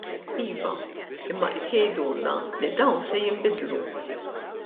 Iva, imma qed jgħidulna li dawn se jinbidlu.